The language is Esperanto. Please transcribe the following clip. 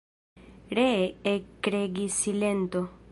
Ree ekregis silento.